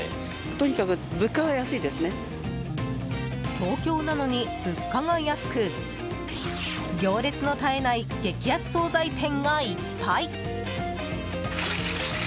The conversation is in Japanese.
東京なのに物価が安く行列の絶えない激安総菜店がいっぱい。